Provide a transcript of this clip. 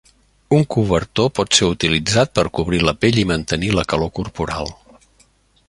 Un cobertor pot ser utilitzat per a cobrir la pell i mantenir la calor corporal.